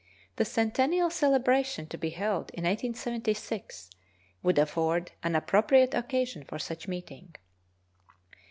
The Centennial Celebration to be held in 1876 would afford an appropriate occasion for such meeting.